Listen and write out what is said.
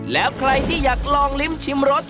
แล้วใครที่อยากลองลิ้มชิมรส